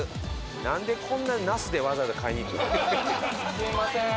すいません。